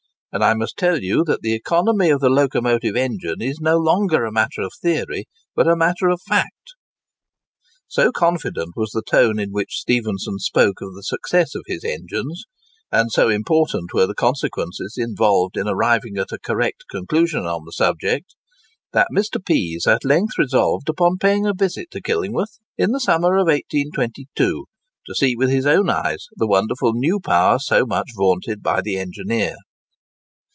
And I must tell you that the economy of the locomotive engine is no longer a matter of theory, but a matter of fact." So confident was the tone in which Stephenson spoke of the success of his engines, and so important were the consequences involved in arriving at a correct conclusion on the subject, that Mr. Pease at length resolved upon paying a visit to Killingworth in the summer of 1822, to see with his own eyes the wonderful new power so much vaunted by the engineer.